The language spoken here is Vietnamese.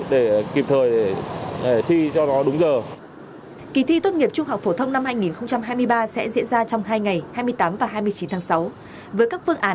đang góp phần giúp kỳ thi trung học phổ thông quốc gia năm nay diễn ra tuyệt đối an toàn